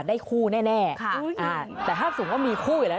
ต้องสับรางให้ดีนะ